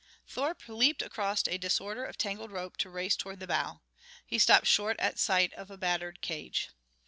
Thorpe leaped across a disorder of tangled rope to race toward the bow. He stopped short at sight of a battered cage.